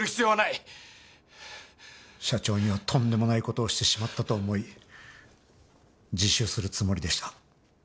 社長にはとんでもない事をしてしまったと思い自首するつもりでした。